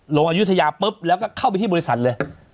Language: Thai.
อายุทยาปุ๊บแล้วก็เข้าไปที่บริษัทเลย